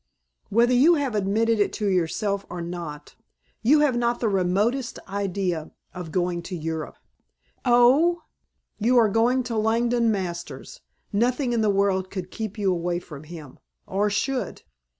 "Whether you have admitted it to yourself or not you have not the remotest idea of going to Europe." "Oh?" "You are going to Langdon Masters. Nothing in the world could keep you away from him or should."